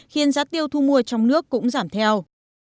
khiến giá tiêu thu mua trong nước cũng giảm theo